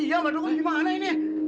iya mbak dukung gimana ini